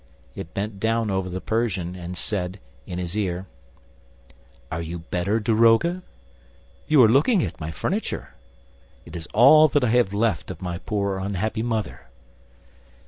It bent down over the Persian and said, in his ear: "Are you better, daroga? ... You are looking at my furniture? ... It is all that I have left of my poor unhappy mother."